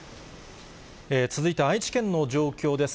続いて、愛知県の状況です。